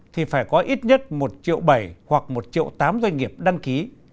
thì phải có ít nhất một triệu bảy hoặc một triệu tám doanh nghiệp đăng ký